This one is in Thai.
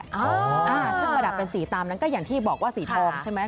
ซึ่งประดับเป็นสีตามนั้นก็อย่างที่บอกว่าสีทองใช่ไหม